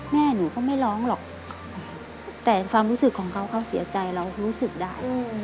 แม่หนูก็ไม่ร้องหรอกแต่ความรู้สึกของเขาเขาเสียใจเรารู้สึกได้